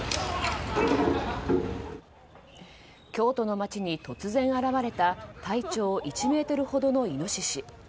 京都の街に突然現れた体長１ｍほどのイノシシ。